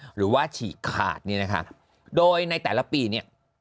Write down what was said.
หรือว่าฉีกขาดเนี่ยนะคะโดยในแต่ละปีเนี่ย